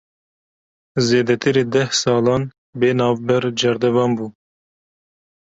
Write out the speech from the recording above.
Zêdetirî deh salan, bê navber cerdevan bû